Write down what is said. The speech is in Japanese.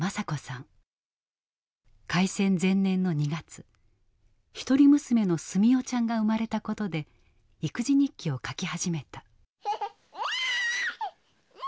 開戦前年の２月一人娘の住代ちゃんが生まれたことで育児日記を書き始めた。